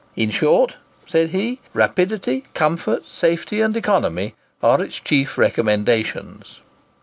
"In short," said he, "rapidity, comfort, safety, and economy, are its chief recommendations."